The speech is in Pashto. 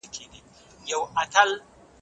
هغه یو سپېڅلی انسان او د لوړ اخلاقو خاوند و.